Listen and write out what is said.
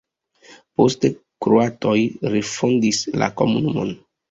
Poste kroatoj refondis la komunumon.